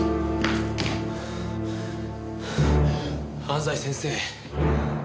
安西先生。